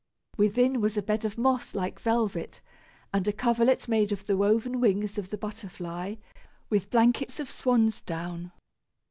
Within was a bed of moss like velvet, and a coverlet made of the woven wings of the butterfly, with blankets of swansdown.